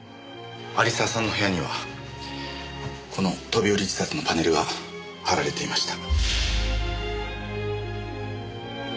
有沢さんの部屋にはこの飛び降り自殺のパネルが貼られていました。